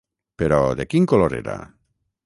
Però, de quin color era?